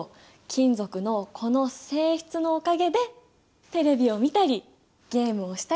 金属のこの性質のおかげでテレビを見たりゲームをしたりできるってわけ！